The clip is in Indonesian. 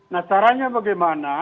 nah caranya bagaimana